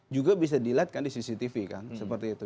juga bisa di lihat di cctv seperti itu